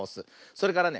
それからね